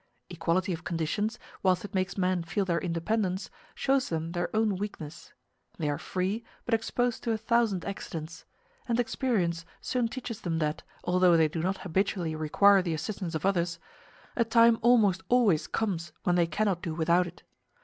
Equality of conditions, whilst it makes men feel their independence, shows them their own weakness: they are free, but exposed to a thousand accidents; and experience soon teaches them that, although they do not habitually require the assistance of others, a time almost always comes when they cannot do without it.